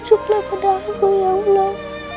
tujuklah pada aku ya allah